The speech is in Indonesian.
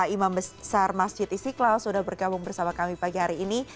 imam besar masjid istiqlal sudah bergabung bersama kami pagi hari ini